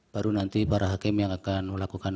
baru nanti para hakim yang akan melakukan